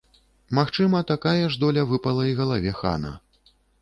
Магчыма, такая ж доля выпала і галаве хана.